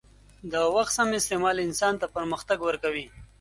د وخت سم استعمال انسان ته پرمختګ ورکوي.